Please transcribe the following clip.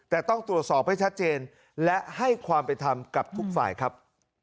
แต่ต้องตรวจสอบให้ชัดเจนและให้ความเป็นธรรมกับทุกฝ่ายครับ